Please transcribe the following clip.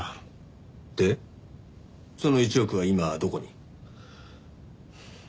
でその１億は今どこに？